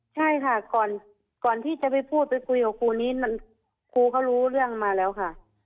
ใช่ค่ะก่อนที่จะไปพูดไปคุยกับครูนี้ครูเขารู้เรื่องมาแล้วค่ะ